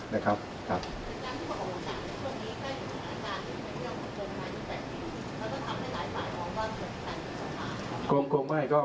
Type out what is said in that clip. ด้านที่บอกแล้วครับช่วงนี้ก็จะมีการอาการเรื่องทางการที่แผ่นธิว